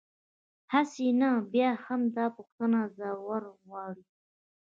هسې، نه بیا هم، دا پوښتنه زور غواړي.